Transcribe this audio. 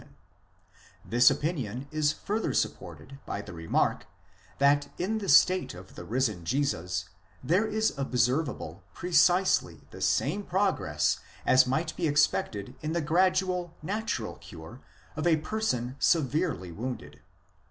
* This opinion is further supported by the remark, that in the state of the risen Jesus there is observable precisely the same progress as might be expected in the gradual, natural cure of a person severely wounded.